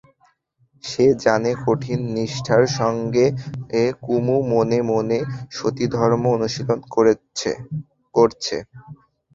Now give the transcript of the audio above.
সে জানে কঠিন নিষ্ঠার সঙ্গে কুমু মনে মনে সতীধর্ম অনুশীলন করছে।